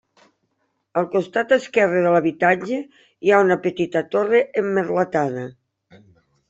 Al costat esquerre de l'habitatge hi ha una petita torre emmerletada.